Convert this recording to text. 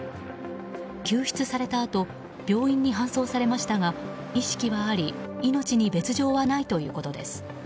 救出されたあと病院に搬送されましたが意識はあり命に別条はないということです。